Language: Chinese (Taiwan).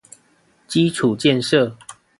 基礎建設